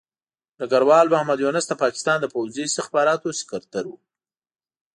ډګروال محمد یونس د پاکستان د پوځي استخباراتو سکرتر وو.